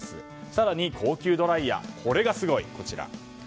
更に、高級ドライヤーこれがすごい。